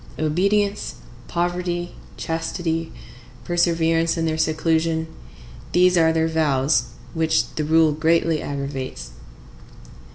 Obedience, poverty, chastity, perseverance in their seclusion,—these are their vows, which the rule greatly aggravates.